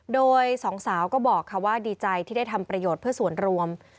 โดยสองสาวก็บอกค่ะว่าดีใจที่ได้ทำประโยชน์เพื่อส่วนรวม